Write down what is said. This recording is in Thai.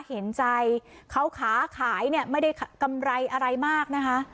เห็นใจเขาขาขายเนี่ยไม่ได้กำไรอะไรมากนะคะ